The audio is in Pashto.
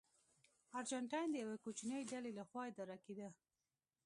ارجنټاین د یوې کوچنۍ ډلې لخوا اداره کېده.